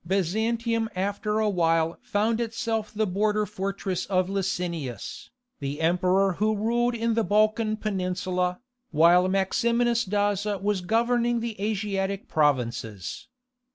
Byzantium after a while found itself the border fortress of Licinius, the emperor who ruled in the Balkan Peninsula, while Maximinus Daza was governing the Asiatic provinces.